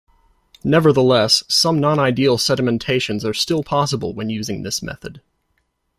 Nevertheless, some non-ideal sedimentations are still possible when using this method.